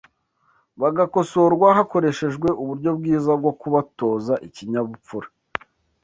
bagakosorwa hakoreshejwe uburyo bwiza bwo kubatoza ikinyabupfura